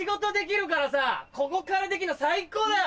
ここからできんの最高だよ！